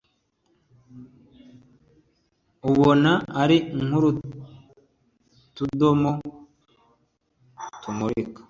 ubona ari nk'utudomo tumurika.